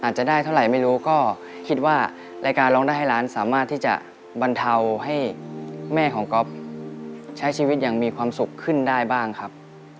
จะได้เท่าไหร่ไม่รู้ก็คิดว่ารายการร้องได้ให้ล้านสามารถที่จะบรรเทาให้แม่ของก๊อฟใช้ชีวิตอย่างมีความสุขขึ้นได้บ้างครับ